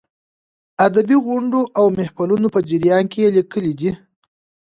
ادبي غونډو او محفلونو په جریان کې یې لیکلې دي.